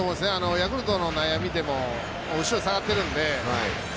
ヤクルトの内野を見ても後ろに下がっているんで。